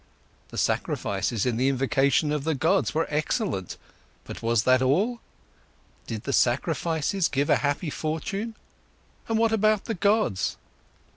The sacrifices and the invocation of the gods were excellent—but was that all? Did the sacrifices give a happy fortune? And what about the gods?